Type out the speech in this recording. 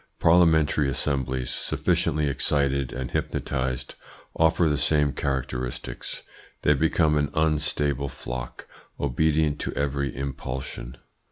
Parliamentary assemblies, sufficiently excited and hypnotised, offer the same characteristics. They become an unstable flock, obedient to every impulsion.